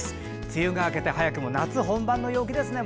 梅雨が明けて早くも夏本番の陽気ですね。